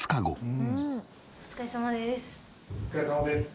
お疲れさまです。